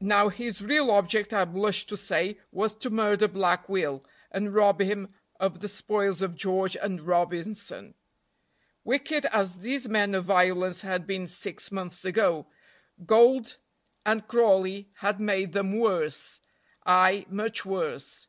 Now his real object, I blush to say, was to murder Black Will, and rob him of the spoils of George and Robinson. Wicked as these men of violence had been six months ago, gold and Crawley had made them worse, ay, much worse.